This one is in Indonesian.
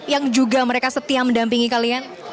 yang juga mereka setia mendampingi kalian